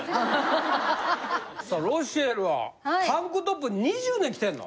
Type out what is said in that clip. ロシエルはタンクトップ２０年着てんの？